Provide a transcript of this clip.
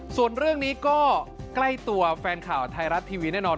ส่วนเรื่องนี้ก็ใกล้ตัวแฟนข่าวไทยรัฐทีวีแน่นอน